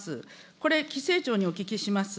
これ、規制庁にお聞きします。